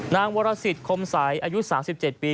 นางวรสิตคมสายอายุ๓๗ปี